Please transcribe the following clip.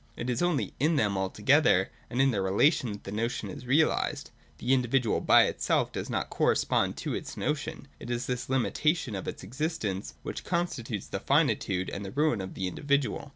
It is only in them altogether and in their relation that the notion is realised. The individual by itself does not correspond to its notion. It is this limitation of its existence which constitutes the finitude and the ruin of the individual.